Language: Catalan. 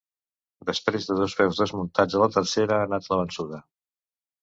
Després de dos peus desmuntats a la tercera ha anat la vençuda.